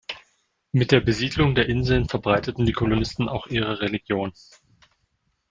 Mit der Besiedlung der Inseln verbreiteten die Kolonisten auch ihre Religion.